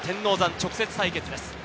直接対決です。